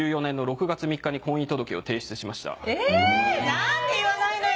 何で言わないのよ！